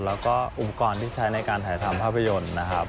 แล้วก็อุปกรณ์ที่ใช้ในการถ่ายทำภาพยนตร์นะครับ